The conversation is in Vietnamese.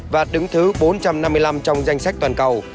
và đứng thứ bốn trăm năm mươi năm trong danh sách toàn cầu